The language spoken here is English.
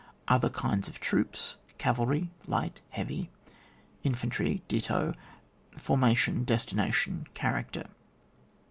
Other kinds of Droops. Cavalry — flight, — heavy. Infantry — do. Formation ;— destination ;— character.